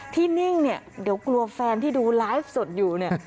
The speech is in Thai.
นิ่งเนี่ยเดี๋ยวกลัวแฟนที่ดูไลฟ์สดอยู่เนี่ย